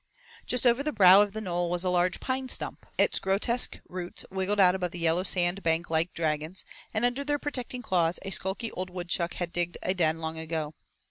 Just over the brow of the knoll was a large pine stump. Its grotesque roots wriggled out above the yellow sand bank like dragons, and under their protecting claws a sulky old woodchuck had digged a den long ago.